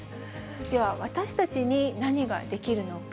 では私たちに何ができるのか。